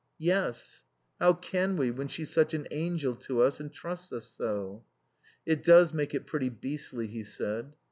"Yes. How can we when she's such an angel to us and trusts us so?" "It does make it pretty beastly," he said.